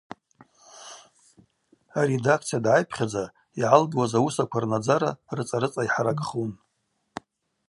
Аредакция дгӏайпхьадза йгӏалгуаз ауысаква рнадзара рыцӏа-рыцӏа йхӏаракӏхун.